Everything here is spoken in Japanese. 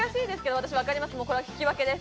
私は分かります。